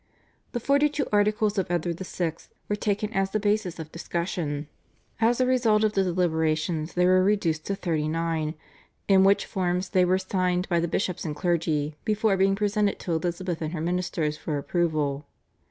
The Forty Two Articles of Edward VI. were taken as the basis of discussion. As a result of the deliberations they were reduced to Thirty Nine, in which form they were signed by the bishops and clergy, before being presented to Elizabeth and her ministers for approval.